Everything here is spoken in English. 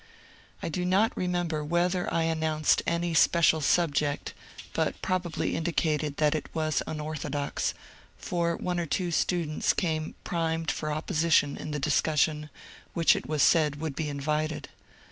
I do not re member whether I announced any special subject, but prob ably indicated that it was unorthodox, for one or two students came primed for opposition in the discussion, which it was said would be invited.